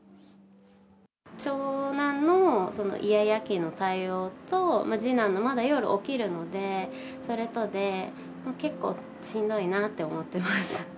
長男のイヤイヤ期の対応と、次男もまだ夜起きるので、それとで、結構しんどいなって思ってます。